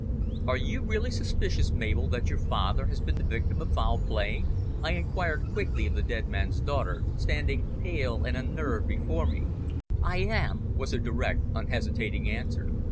"Are you really suspicious, Mabel, that your father has been the victim of foul play?" I inquired quickly of the dead man's daughter, standing pale and unnerved before me. "I am," was her direct, unhesitating answer.